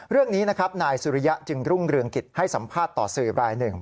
เรื่องนี้นะครับนายสุริยะจึงรุ่งเรืองกิจให้สัมภาษณ์ต่อสื่อรายหนึ่ง